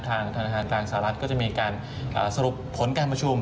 ทางธนาคารกลางสหรัฐก็จะมีการสรุปผลการประชุม